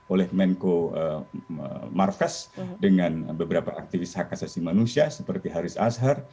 oleh menko marves dengan beberapa aktivis hak asasi manusia seperti haris ashar